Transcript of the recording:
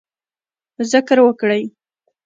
ذکر وکړئ